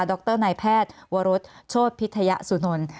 ดรนายแพทย์วรษโชภิทยสุนน